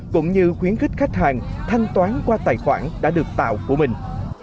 cũng như khuyến khích khách hàng thanh toán qua tài khoản đã được tạo của mình